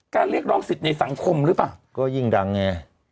การเรียกร้องสิทธิ์ในสังคมหรือเปล่า